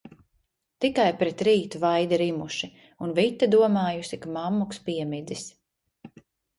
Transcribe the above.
Tikai pret rītu vaidi rimuši, un Vita domājusi, ka mammuks piemidzis.